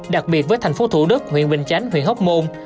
đặc biệt với thành phố thủ đức huyện bình chánh huyện hóc môn